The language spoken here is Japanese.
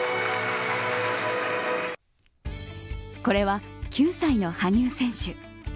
これは９歳の羽生選手。